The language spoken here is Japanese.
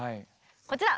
こちら！